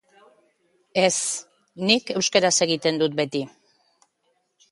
Ez, nik euskaraz egiten dut beti.